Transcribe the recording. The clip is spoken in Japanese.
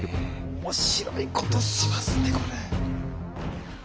面白いことしますねこれ。